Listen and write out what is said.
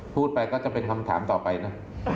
พูดไปก็จะเป็นคำถามต่อไปนะ